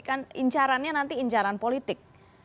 kan incarannya nanti incaran politik